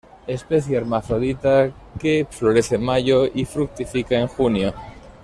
Especie hermafrodita que florece en mayo y fructifica en junio.